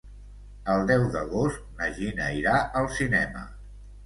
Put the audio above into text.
El deu d'agost na Gina irà al cinema.